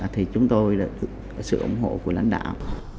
thì chúng tôi là sự ủng hộ của lãnh đạo